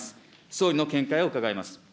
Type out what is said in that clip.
総理の見解を伺います。